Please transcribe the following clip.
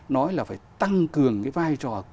nói là phải tăng cường vai trò